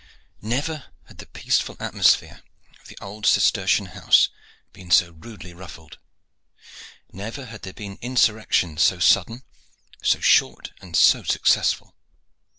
Never had the peaceful atmosphere of the old Cistercian house been so rudely ruffled. Never had there been insurrection so sudden, so short, and so successful.